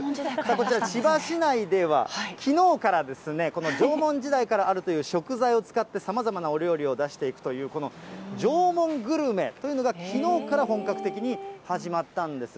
こちら、千葉市内では、きのうからこの縄文時代からあるという食材を使って、さまざまなお料理を出しているという、この縄文グルメというのが、きのうから本格的に始まったんです。